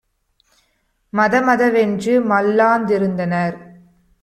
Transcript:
மதமத வென்று மல்லாந் திருந்தனர்!